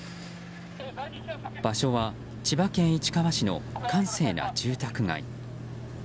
場所は千葉県市川市の閑静な住宅街。